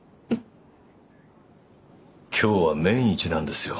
今日は命日なんですよ